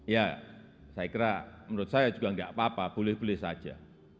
ya saya kira menurut saya juga nggak apa apa boleh boleh saja